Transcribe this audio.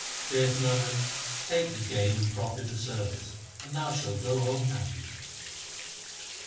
Saith Nanak, take the gain and profit of service, and thou shalt go home happy.